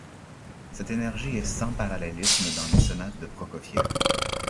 Cette énergie est sans parallélisme dans les sonates de Prokofiev.